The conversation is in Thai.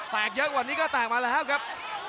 แตกเยอะกว่านี้ก็แตกมาแล้วครับครับ